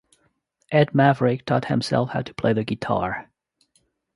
Ed Maverick taught himself how to play the guitar.